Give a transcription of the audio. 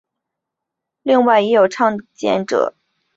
另外也有倡建者是打铁庄王长泰的说法。